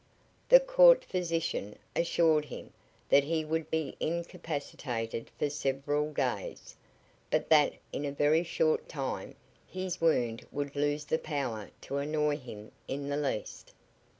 The court physician assured him that he would be incapacitated for several days, but that in a very short time his wound would lose the power to annoy him in the least.